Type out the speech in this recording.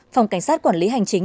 phòng cảnh sát quản lý hành chính